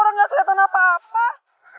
orang gak kelihatan apa apa